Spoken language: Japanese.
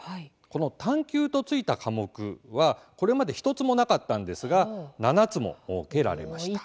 この「探究」と付いた科目はこれまで１つもなかったんですが７つ設けられました。